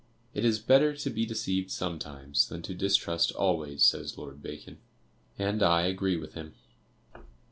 'It is better to be deceived sometimes, than to distrust always,' says Lord Bacon, and I agree with him.